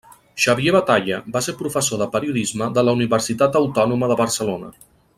Xavier Batalla va ser professor de periodisme de la Universitat Autònoma de Barcelona.